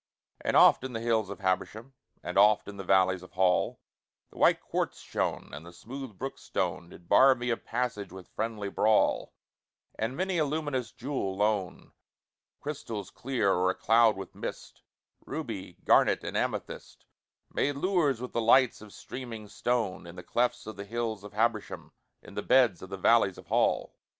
And oft in the hills of Habersham, And oft in the valleys of Hall, The white quartz shone, and the smooth brook stone Did bar me of passage with friendly brawl, And many a luminous jewel lone Crystals clear or a cloud with mist, Ruby, garnet and amethyst Made lures with the lights of streaming stone In the clefts of the hills of Habersham, In the beds of the valleys of Hall.